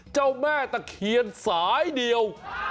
เจ้าแม่ตะเคียนสายเดียว